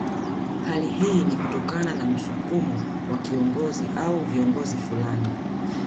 Hali hii ni kutokana na msukumo wa kiongozi au viongozi fulani